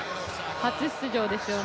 初出場ですよね。